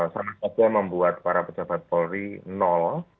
sama saja membuat para pejabat polri nol